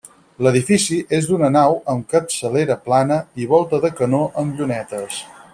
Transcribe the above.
L'edifici és d'una nau amb capçalera plana i volta de canó amb llunetes.